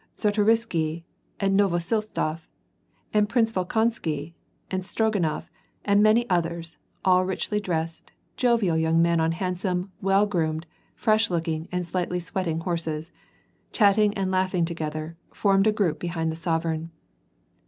Czartorisky and Novosiltsof and Prince Volkon sky and Stroganof and many others, all richly dressed, jovial young men on handsome, well groomed, fresh looking and slightly sweating horses, chatting and laughing together, formed a group behind the sovereign.